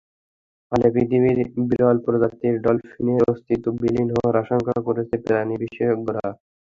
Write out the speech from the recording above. ফলে পৃথিবীর বিরল প্রজাতির ডলফিনের অস্তিত্ব বিলীন হওয়ার আশঙ্কা করছেন প্রাণী বিশেষজ্ঞরা।